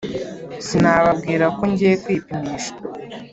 sinababwira ko ngiye kwipimisha.